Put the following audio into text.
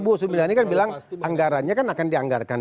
kalau bu sri mulyani kan bilang anggarannya kan akan dianggarkan